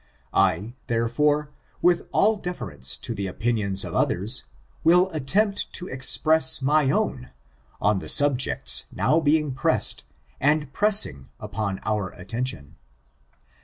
I, therefore, with all deference to the opinions of others, will attempt to express my own, on the subjects now pressed and pressing upon our attention.